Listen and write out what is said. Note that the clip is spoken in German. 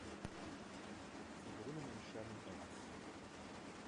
Sie wohnen in Sherman Oaks.